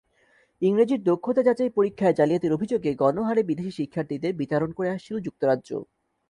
ইংরেজির দক্ষতা যাচাই পরীক্ষায় জালিয়াতির অভিযোগে গণহারে বিদেশি শিক্ষার্থীদের বিতাড়ন করে আসছিল যুক্তরাজ্য।